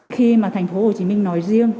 khi mà thành phố hồ chí minh nói riêng